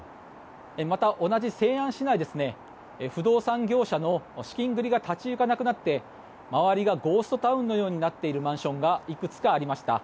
また、同じ西安市内不動産業者の資金繰りが立ち行かなくなって周りがゴーストタウンのようになっているマンションがいくつかありました。